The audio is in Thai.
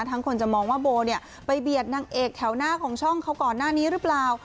คนจะมองว่าโบเนี่ยไปเบียดนางเอกแถวหน้าของช่องเขาก่อนหน้านี้หรือเปล่า